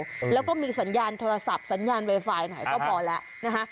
แล้วก็มีสัญญาณโทรศัพท์สัญญาณไวไฟไหนก็พอแล้วนะคะ